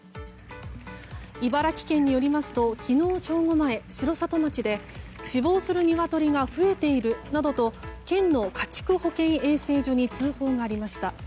茨城県によりますと昨日正午前、城里町で死亡するニワトリが増えているなどと県の家畜保健衛生所に通報がありました。